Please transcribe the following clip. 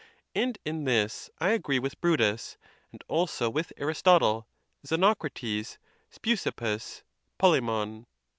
And in this I agree with Brutus, and also with Aristotle, Xenocrates, Speusippus, Polemon.